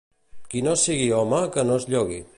Qui no sigui home que no es llogui.